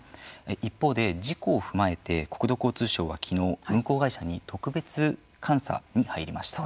一方で、事故を踏まえて国土交通省は、きのう運航会社に特別監査に入りました。